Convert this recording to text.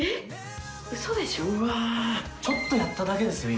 うわちょっとやっただけですよ